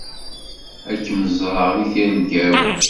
Ad kem-ẓreɣ deg tirga-w.